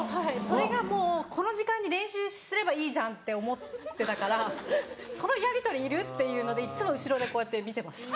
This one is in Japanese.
それが「この時間に練習すればいいじゃん」って思ってたからそのやりとりいる？っていうのでいっつも後ろでこうやって見てました。